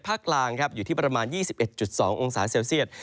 กลางอยู่ที่ประมาณ๒๑๒องศาเซลเซียต